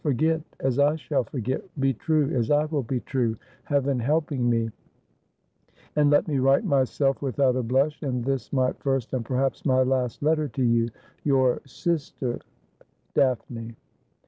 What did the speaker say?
Forget, as I shall forget ; be true, as I will be true, heaven helping me ; and let me write myself, without a blush, in this my first, and, perhaps, my last letter to you, — Your Sister, Dai'Iine.'